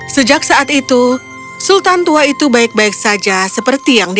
sejak saat itu sultan tua itu baik baik saja seperti yang di